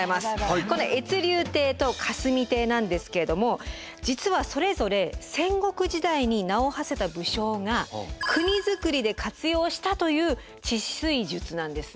この越流堤と霞堤なんですけれども実はそれぞれ戦国時代に名をはせた武将が国づくりで活用したという治水術なんですね。